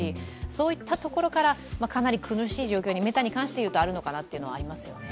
そういったところから、かなり苦しい状況にメタに関していえばあるのかなと思いますね。